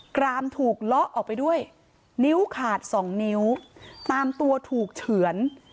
กรามถูกเลาะออกไปด้วยนิ้วขาดสองนิ้วตามตัวถูกเฉือน